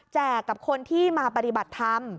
กับคนที่มาปฏิบัติธรรม